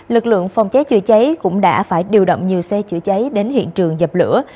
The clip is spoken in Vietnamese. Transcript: lực lượng phòng cháy chữa cháy cũng đã phải điều động nhiều xe chữa cháy đến hiện trường dập lửa